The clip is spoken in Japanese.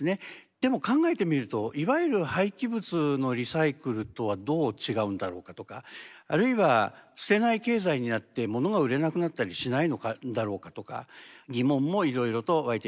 でも考えてみるといわゆる廃棄物のリサイクルとはどう違うんだろうかとかあるいは捨てない経済になって物が売れなくなったりしないのだろうかとか疑問もいろいろと湧いてきます。